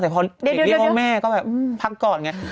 แต่พอเด็กที่พ่อแม่ก็แบบพักก่อนไง